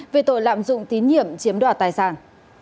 về tội lạm dụng tín nhiệm chiếm đoạt tài sản